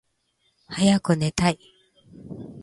はやくねたい